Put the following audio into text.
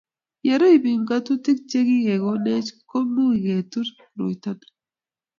ye rub biik ng'atutik che kikikonech ko muketur koroito ni